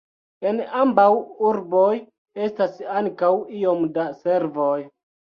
En ambaŭ urboj estas ankaŭ iom da servoj.